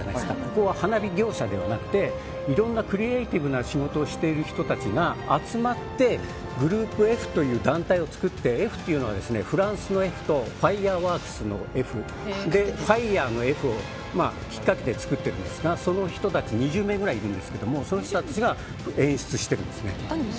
ここは花火業者ではなくていろんなクリエーティブな仕事をしてる人たちが集まってグループエフという団体を使ってＦというのはフランスのＦとファイアーワークスのＦファイアのＦを引っかけて作ってるんですが２０名ぐらいのそうした人たちが演出しているんです。